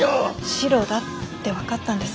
シロだって分かったんです